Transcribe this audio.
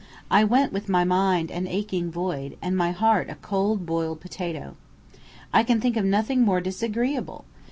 I went with my mind an aching void, and my heart a cold boiled potato. I can think of nothing more disagreeable!